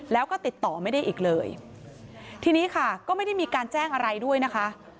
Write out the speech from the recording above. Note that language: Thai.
แล้วก็ติดต่อไม่ได้อีกเลยทีนี้ค่ะก็ไม่ได้มีการแจ้งอะไรด้วยนะคะ